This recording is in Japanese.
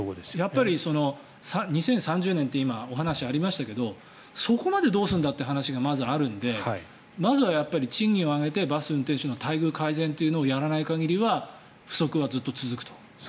やっぱり２０３０年ってお話が今ありましたけどそこまでどうすんだって話がまず、あるのでまずは賃金を上げてバスの運転手の待遇改善をやらない限りは不足はずっと続くと。